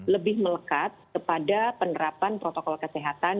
lebih melekat kepada penerapan protokol kesehatan